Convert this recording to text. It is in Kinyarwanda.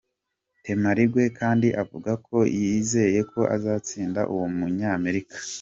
Temarigwe kandi avuga ko yizeye ko azatsinda uwo munyamerika.